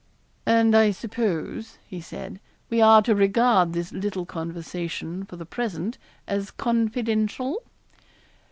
'And I suppose,' he said, 'we are to regard this little conversation, for the present, as confidential?'